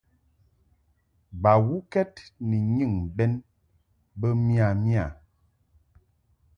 Bawuked ni nyɨŋ bɛn bə miya miya.